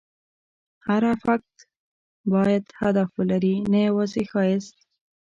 هر افکت باید هدف ولري، نه یوازې ښایست.